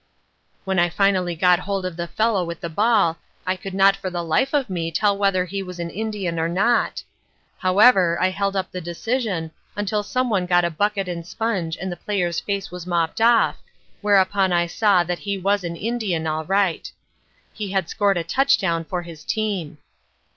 When I finally got hold of the fellow with the ball I could not for the life of me tell whether he was an Indian or not. However, I held up the decision until some one got a bucket and sponge and the player's face was mopped off, whereupon I saw that he was an Indian all right. He had scored a touchdown for his team.